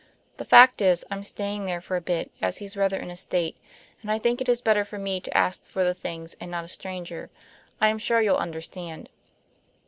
The fact is, I'm staying there for a bit as he's rather in a state, and I think is better for me to ask for the things and not a stranger. I am sure you'll understand."